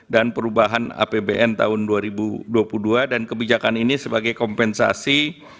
dan perubahan apbn tahun dua ribu dua puluh dua dan kebijakan ini sebagai kompensasi